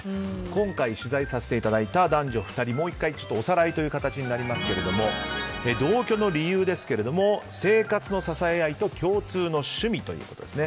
今回取材させていただいたお二人おさらいになりますが同居の理由ですが生活の支え合いと共通の趣味ということです。